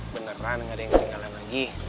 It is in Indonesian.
beneran gak ada yang ketinggalan lagi